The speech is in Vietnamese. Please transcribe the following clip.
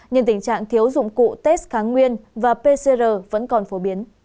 nhưng tình trạng thiếu dụng cụ tết kháng nguyên và pcr vẫn còn phổ biến